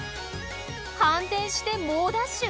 反転して猛ダッシュ！